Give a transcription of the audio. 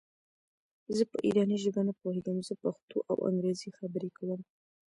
زه په ایراني ژبه نه پوهېږم زه پښتو او انګرېزي خبري کوم.